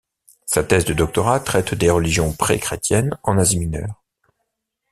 Sa thèse de doctorat traite des religions pré-chrétiennes en Asie Mineure.